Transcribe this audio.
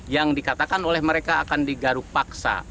yang dikatakan oleh mereka akan digaruk paksa